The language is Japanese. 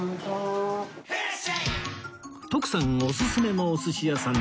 徳さんおすすめのお寿司屋さん